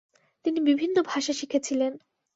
তিনি বিভিন্ন ভাষা শিখেছিলেন।